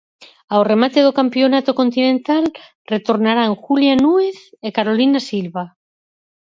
Ao remate do campionato continental retornarán Júlia Nuez e Carolina Silva.